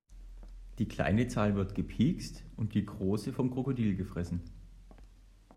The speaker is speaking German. Die kleine Zahl wird gepikst und die große vom Krokodil gefressen.